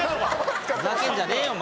ふざけんじゃねえよお前。